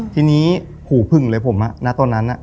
ทีนี้หูผึ่งเลยผมณตอนนั้น